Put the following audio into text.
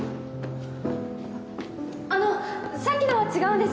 あのさっきのは違うんです！